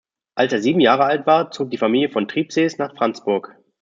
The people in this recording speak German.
Als er sieben Jahre alt war, zog die Familie von Tribsees nach Franzburg.